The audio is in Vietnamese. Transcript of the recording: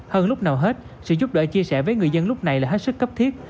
hơn lúc nào hết sự giúp đỡ chia sẻ với người dân lúc này là hết sức cấp thiết